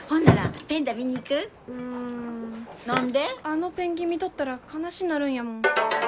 あのペンギン見とったら悲しなるんやもん。